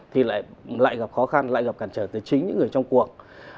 thì lại gặp khó khăn lại gặp cản trở từ chính những người trong cuộc